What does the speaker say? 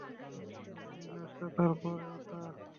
এই গাছটা, তারপর ওটা।